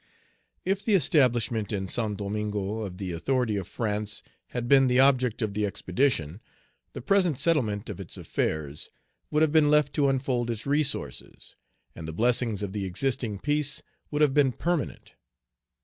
IF the establishment in Saint Domingo of the authority of France had been the object of the expedition, the present settlement of its affairs would have been left to unfold its resources, and the blessings of the existing peace would have been permanent.